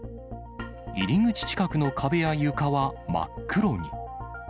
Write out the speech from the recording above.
入り口近くの壁や床は真っ黒に。